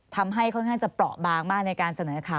ทำให้ค่อนข้างจะเปราะบางมากในสเนินข่าว